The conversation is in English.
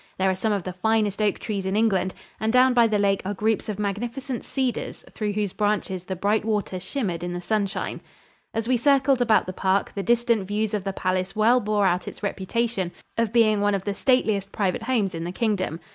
There are some of the finest oak trees in England and down by the lake are groups of magnificent cedars through whose branches the bright water shimmered in the sunshine. As we circled about the park, the distant views of the palace well bore out its reputation of being one of the stateliest private homes in the Kingdom.